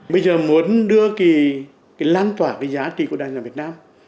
bây giờ muốn đưa cái lan tỏa cái giá trị của đàn nhà việt nam